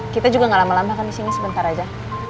kita juga gak lama lambah kan di sini sebentar aja